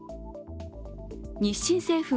日清製粉